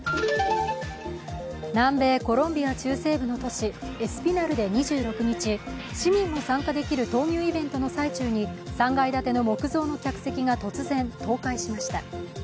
南米コロンビア中西部の都市エスピナルで２６日、市民も参加できる闘牛イベントの最中に３階建ての木製の観客席が突然、倒壊しました。